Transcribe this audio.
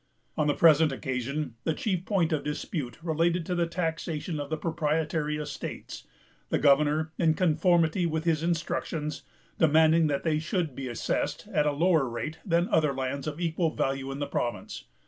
On the present occasion, the chief point of dispute related to the taxation of the proprietary estates; the governor, in conformity with his instructions, demanding that they should be assessed at a lower rate than other lands of equal value in the province.